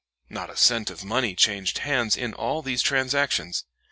Not a cent of money changed hands in all these transactions.